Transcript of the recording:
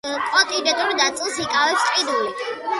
კონტინენტურ ნაწილს იკავებს ყინული.